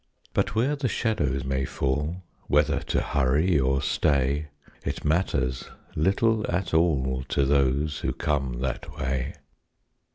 But where the shadow may fall, Whether to hurry or stay, It matters little at all To those who come that way.